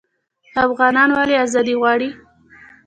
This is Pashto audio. افغانان ولې ازادي غواړي؟